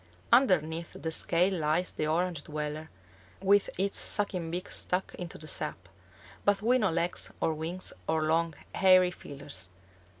Underneath the scale lies the Orange dweller, with its sucking beak stuck into the sap, but with no legs or wings or long, hairy feelers.